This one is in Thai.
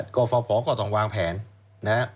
ก่อฝ่าขอกรรมวางแผน